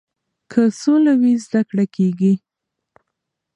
که سوله وي زده کړه کیږي.